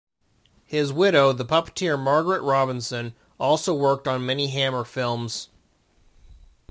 His widow, the puppeteer Margaret Robinson, also worked on many Hammer films.